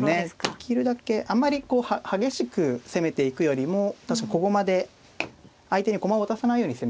できるだけあまりこう激しく攻めていくよりも小駒で相手に駒を渡さないように攻めたい